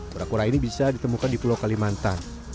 kura kura ini bisa ditemukan di pulau kalimantan